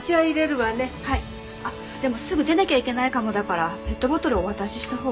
あっでもすぐ出なきゃいけないかもだからペットボトルお渡ししたほうが。